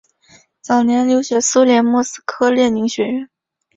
早年留学苏联莫斯科列宁学院。